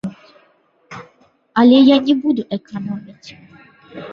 Але я не буду эканоміць.